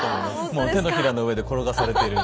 もう手のひらの上で転がされてる。